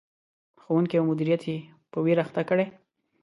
ښوونکي او مدیریت یې په ویر اخته کړي.